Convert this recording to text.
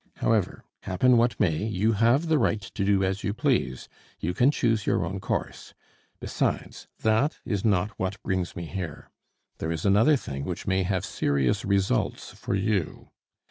However, happen what may, you have the right to do as you please; you can choose your own course. Besides, that is not what brings me here. There is another thing which may have serious results for you.